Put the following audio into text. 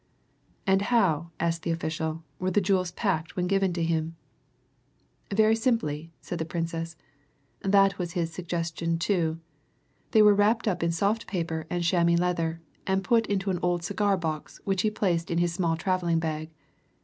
"And how," asked the official, "were the jewels packed when given to him?" "Very simply," said the Princess. "That was his suggestion, too. They were wrapped up in soft paper and chamois leather, and put into an old cigar box which he placed in his small travelling bag.